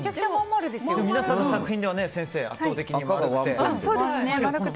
皆さんの作品では圧倒的に丸くて。